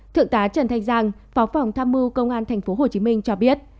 thượng tá trần thanh giang phó phòng tham mưu công an thành phố hồ chí minh cho biết